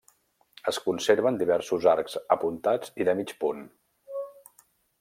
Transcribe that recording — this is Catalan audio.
Es conserven diversos arcs apuntats i de mig punt.